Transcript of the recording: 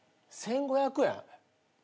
１，５００円？